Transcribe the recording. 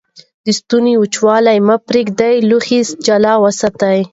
د ستوني وچوالی مه پرېږدئ. لوښي جلا وساتئ.